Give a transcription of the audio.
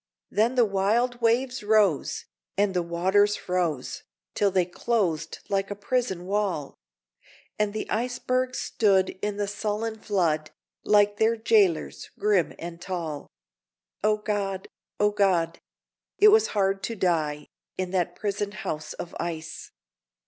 Then the wild waves rose, and the waters froze, Till they closed like a prison wall; And the icebergs stood in the sullen flood, Like their jailers, grim and tall. O God! O God! it was hard to die In that prison house of ice!